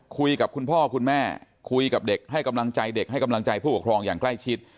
คุยกับคุณพ่อคุณแม่คุยกับเด็กให้กำลังใจเด็กให้กำลังใจผู้ปกครองอย่างใกล้ชิด